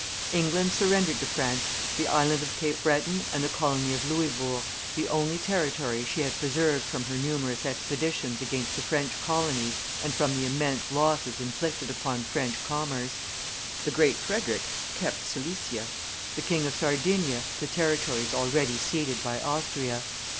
England surrendered to France the Island of Cape Breton and the colony of Louisbourg, the only territory she had preserved from her numerous expeditions against the French colonies and from the immense losses inflicted upon French commerce. The Great Frederic kept Silesia; the King of Sardinia the territories already ceded by Austria.